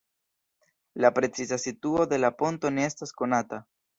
La preciza situo de la ponto ne estas konata.